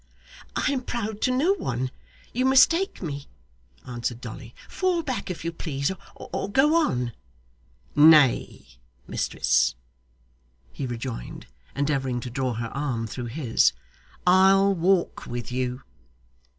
'I am proud to no one. You mistake me,' answered Dolly. 'Fall back, if you please, or go on.' 'Nay, mistress,' he rejoined, endeavouring to draw her arm through his, 'I'll walk with you.